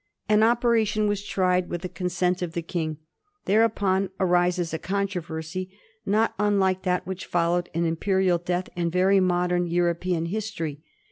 An operation was tried, with the consent of the King. Thereupon arises a controversy not unlike that which fol lowed an imperial death in very modem European history.